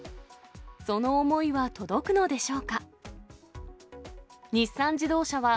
その思いは届くのでしょうか。